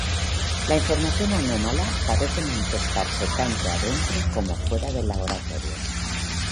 La información anómala parece manifestarse tanto adentro como afuera del Laboratorio.